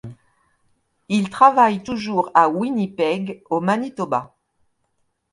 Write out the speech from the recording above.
Il travaille toujours à Winnipeg, au Manitoba.